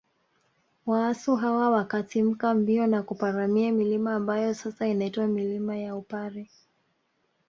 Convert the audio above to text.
Waasu hawa wakatimka mbio na kuparamia milima ambayo sasa inaitwa milima ya Upare